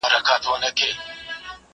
زه مخکي کتابتون ته تللی و!!